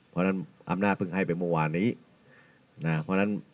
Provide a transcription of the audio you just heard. เพราะฉะนั้นอำนาจเพิ่งให้ไปเมื่อวานนี้นะเพราะฉะนั้น